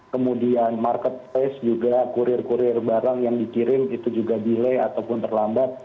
kemudian marketplace juga kurir kurir barang yang dikirim itu juga delay ataupun terlambat